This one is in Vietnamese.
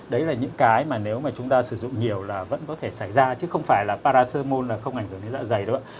đấy là những cái mà nếu mà chúng ta sử dụng nhiều là vẫn có thể xảy ra chứ không phải là parasomon là không ảnh hưởng đến dạ dày đâu ạ